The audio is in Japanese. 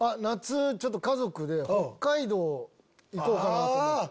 ちょっと家族で北海道行こうかなと思って。